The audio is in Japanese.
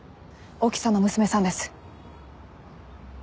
大木さんの娘さんです。